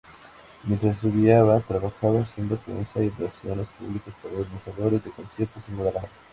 Mientras estudiaba, trabajaba haciendo prensa y relaciones públicas para organizadores de conciertos en Guadalajara.